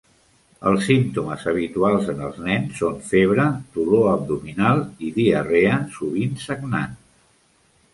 Els símptomes habituals en els nens són febre, dolor abdominal i diarrea, sovint sagnant.